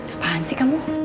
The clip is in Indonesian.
apaan sih kamu